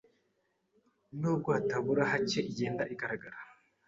n’ubwo hatabura hake igenda igaragara